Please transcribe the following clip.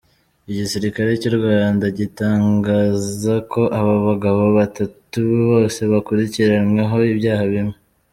Igisirikare cy’u Rwanda gitangaza ko aba bagabo batatu bose bakurikiranweho ibyaha bimwe.